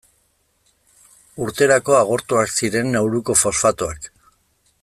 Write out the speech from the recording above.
Urterako agortuak ziren Nauruko fosfatoak.